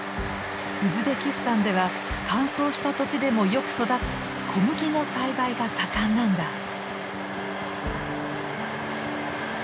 ウズベキスタンでは乾燥した土地でもよく育つ小麦の栽培が盛んなんだ。